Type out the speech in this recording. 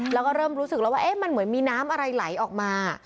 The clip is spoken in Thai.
แล้วก็เริ่มรู้สึกแล้วว่ามันเหมือนมีน้ำอะไรไหลออกมา